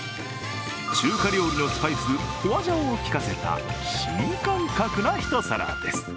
中華料理のスパイス、ホアジャオを効かせた新感覚な一皿です。